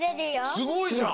すごいじゃん！